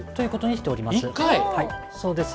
はいそうです。